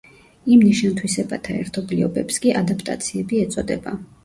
იმ ნიშან-თვისებათა ერთობლიობებს კი ადაპტაციები ეწოდება.